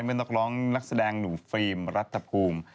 เมื่อนักร้องนักแสดงหนุ่มฟิล์มรัฐภูมิ